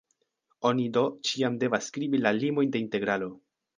Oni do ĉiam devas skribi la limojn de integralo.